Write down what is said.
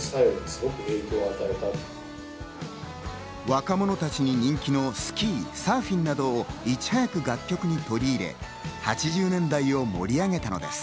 若者たちに人気のスキー、サーフィンなどをいち早く楽曲に取り入れ、８０年代を盛り上げたのです。